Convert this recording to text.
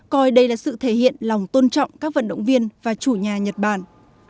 coi đây là sự thể hiện lòng tôn trọng các vận động viên và chủ nhà nhật bản